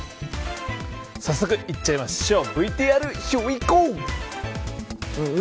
早速いっちゃいましょう。